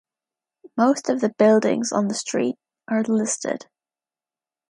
Most of the buildings on the street are listed.